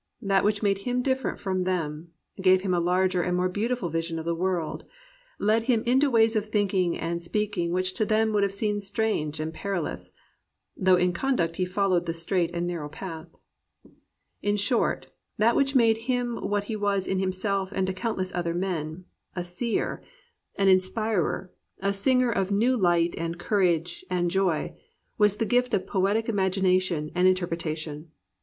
That which made him different from them, gave him a larger and more beautiful vision of the world, led him into ways of thinking and si)eaking which to them would have seemed strange and perilous, (though in conduct he followed the strait and nar row path,) — in short, that which made him what he was in himself and to countless other men, a seer, 336 A PURITAN PLUS POETRY an inspirer, a singer of new light and courage and joy, was the gift of poetic imagination and interpre tation.